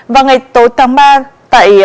vào ngày tối tháng ba tại